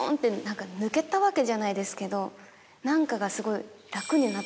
抜けたわけじゃないですけど何かがすごい。